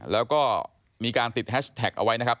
แล้วก็มีการติดแฮชแท็กเอาไว้นะครับ